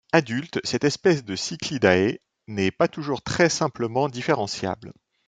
Adulte cette espèce de cichlidae n'est pas toujours très simplement différentiable.